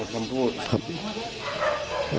หมดคำพูด